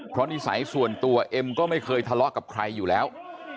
เพราะนิสัยส่วนตัวเอ็มก็ไม่เคยทะเลาะกับใครอยู่แล้ว